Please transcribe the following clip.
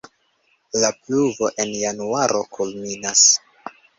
La pluvo en januaro kulminas.